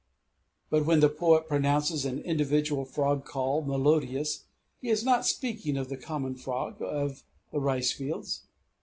But when the poet pronounces an individual frog call melodious, he is not speaking of the common frog of the ricefields.